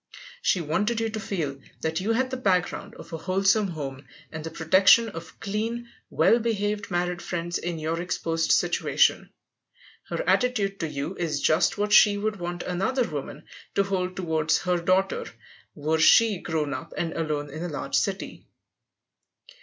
She wanted you to feel that you had the background of a wholesome home, and the protection of clean, well behaved married friends in your exposed situation; her attitude to you is just what she would want another woman to hold toward her daughter, were she grown up and alone in a large city.